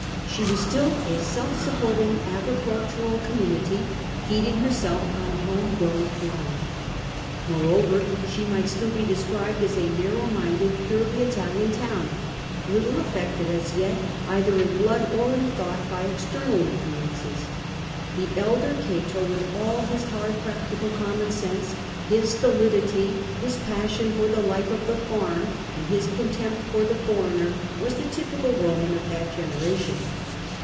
She was still a self supporting agricultural community, feeding herself on home grown corn. Moreover, she might still be described as a narrow minded purely Italian town, little affected as yet, either in blood or in thought, by external influences. The elder Cato, with all his hard practical common sense, his stolidity, his passion for the life of the farm, and his contempt for the foreigner, was the typical Roman of that generation.